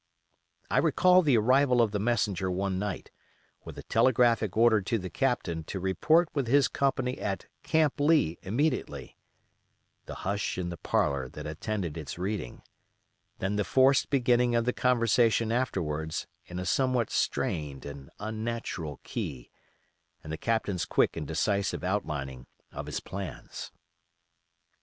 I recall the arrival of the messenger one night, with the telegraphic order to the Captain to report with his company at "Camp Lee" immediately; the hush in the parlor that attended its reading; then the forced beginning of the conversation afterwards in a somewhat strained and unnatural key, and the Captain's quick and decisive outlining of his plans.